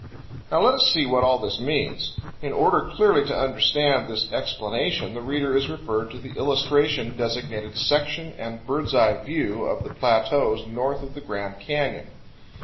Now let us see what all this means. In order clearly to understand this explanation the reader is referred to the illustration designated "Section and Bird's Eye View of the Plateaus North of the Grand Canyon."